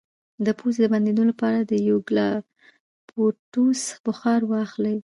د پوزې د بندیدو لپاره د یوکالیپټوس بخار واخلئ